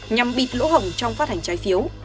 nhằm bịt lỗ hỏng trong phát hành trái phiếu